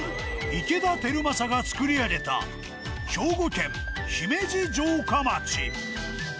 池田輝政がつくり上げた兵庫県姫路城下町。